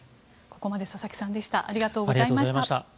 ここまで佐々木さんでした。